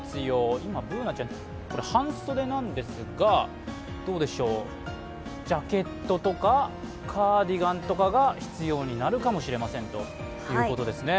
今、Ｂｏｏｎａちゃん、半袖なんですが、どうでしょう、ジャケットとか、カーディガンとかが必要になるかもしれませんということですね。